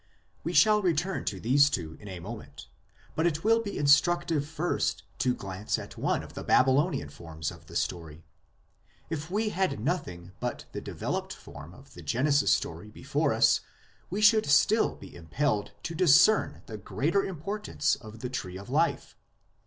We shall return to these two in a moment ; but it will be instructive first to glance at one of the Babylonian forms of the story. If we had nothing but the developed form of the Genesis story before us we should still be impelled to discern the greater importance of the Tree of Life.